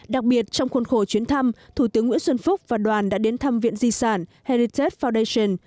đặc biệt trong khuôn khổ chuyến thăm thủ tướng nguyễn xuân phúc và đoàn đã đến thăm viện di sản heritag foundation